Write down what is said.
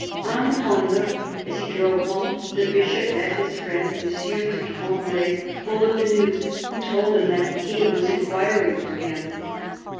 On the Pont Neuf, as he drove home, the Bishop met his friend M. du Tremblay, full of the news, who told him that the King was inquiring for him.